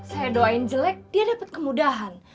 saya doain jelek dia dapat kemudahan